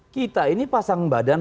kita ini pasang badan